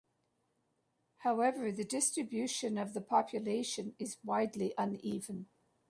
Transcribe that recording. However the distribution of the population is widely uneven.